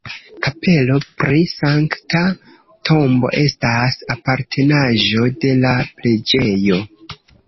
Kapelo pri Sankta Tombo estas apartenaĵo de la preĝejo.